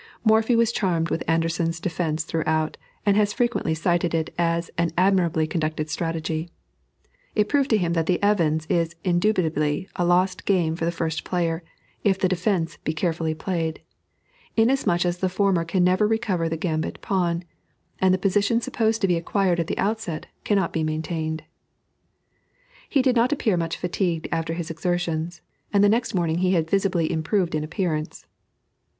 Morphy was charmed with Anderssen's defence throughout, and has frequently cited it as an admirably conducted strategy. It proved to him that the Evans' is indubitably a lost game for the first player, if the defence be carefully played; inasmuch as the former can never recover the gambit pawn, and the position supposed to be acquired at the outset, cannot be maintained. He did not appear much fatigued after his exertions, and next morning he had visibly improved in appearance.